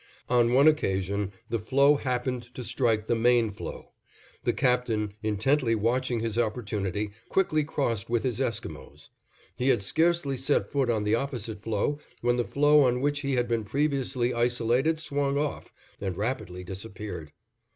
On one occasion the floe happened to strike the main floe. The Captain, intently watching his opportunity, quickly crossed with his Esquimos. He had scarcely set foot on the opposite floe when the floe on which he had been previously isolated swung off, and rapidly disappeared.